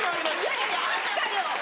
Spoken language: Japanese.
いやいやいやあったよ！